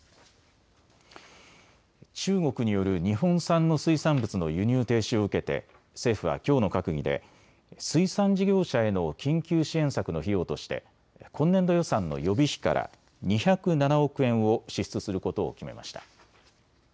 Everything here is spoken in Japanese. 中国による日本産の水産物の輸入停止を受けて政府はきょうの閣議で水産事業者への緊急支援策の費用として今年度予算の予備費から２０７億円を支出することを決めました。